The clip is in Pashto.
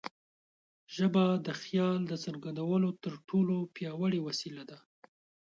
ژبه د خیال د څرګندولو تر ټولو پیاوړې وسیله ده.